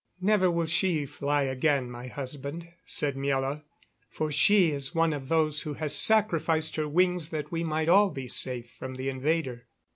"Never will she fly again, my husband," said Miela, "for she is one of those who has sacrificed her wings that we might all be safe from the invader."